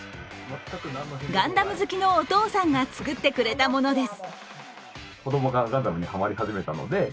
ガンダム好きのお父さんが作ってくれたものです。